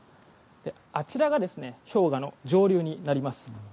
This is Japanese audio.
あちらが氷河の上流になります。